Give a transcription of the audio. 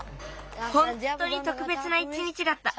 ほんとにとくべつな一日だった。